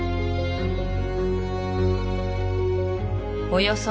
およそ